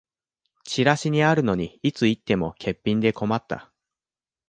チラシにあるのにいつ行っても欠品で困った